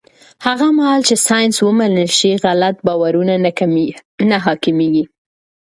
هغه مهال چې ساینس ومنل شي، غلط باورونه نه حاکمېږي.